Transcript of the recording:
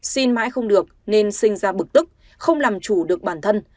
xin mãi không được nên sinh ra bực tức không làm chủ được bản thân